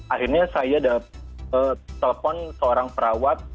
akhirnya saya telpon seorang perawat